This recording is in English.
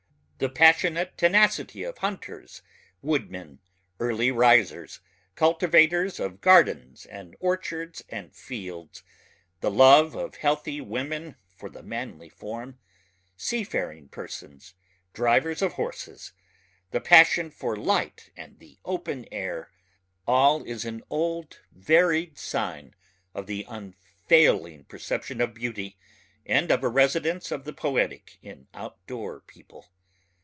The passionate tenacity of hunters, woodmen, early risers, cultivators of gardens and orchards and fields, the love of healthy women for the manly form, seafaring persons, drivers of horses, the passion for light and the open air, all is an old varied sign of the unfailing perception of beauty and of a residence of the poetic in outdoor people.